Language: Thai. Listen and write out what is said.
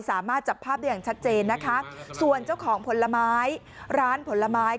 สามารถจับภาพได้อย่างชัดเจนนะคะส่วนเจ้าของผลไม้ร้านผลไม้